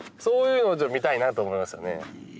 そういうの見たいなと思いましてね。